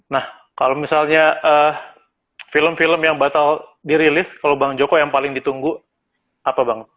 nah kalau misalnya film film yang batal dirilis kalau bang joko yang paling ditunggu apa bang